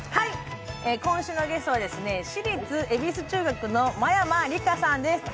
今週のゲストは私立恵比寿中学の真山りかさんです。